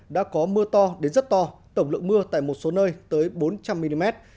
đã có mưa to đến rất to tổng lượng mưa tại một số nơi tới bốn trăm linh mm